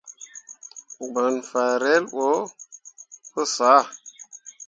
Ŋmorŋ fan relbo pu sãã.